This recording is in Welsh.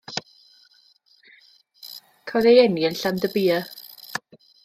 Cafodd ei eni yn Llandybie.